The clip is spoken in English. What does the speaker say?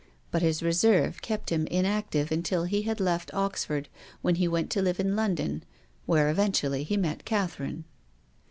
But his reserve kept him inactive until he had left Oxford, when he went to live in London, where eventually he met Cath erine.